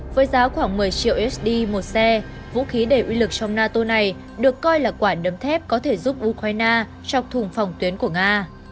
với giá khoảng một mươi triệu usd một xe vũ khí để uy lực trong nato này được coi là quản đấm thép có thể giúp ukraine trọc thùng phòng tuyến của nga